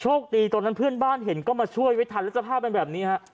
คดีตอนนั้นเพื่อนบ้านเห็นก็มาช่วยไว้ทันแล้วสภาพเป็นแบบนี้ฮะ